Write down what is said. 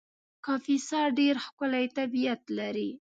کاپیسا ډېر ښکلی طبیعت لري